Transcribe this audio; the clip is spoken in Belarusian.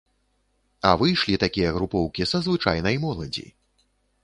А выйшлі такія групоўкі са звычайнай моладзі.